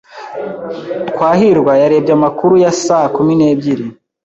Twahirwa yarebye amakuru ya saa kumi n'ebyiri.